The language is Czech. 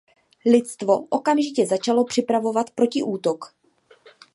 Lidstvo okamžitě začalo připravovat protiútok.